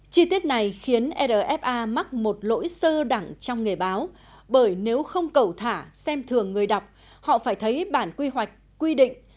chi tiết này khiến rfa mắc một lỗi sơ đẳng trong nghề báo bởi nếu không cầu thả xem thường người đọc họ phải thấy bản quy hoạch quy định